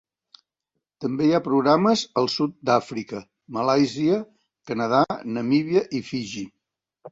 També hi ha programes al sud d'Àfrica, Malàisia, Canadà, Namíbia i Fiji.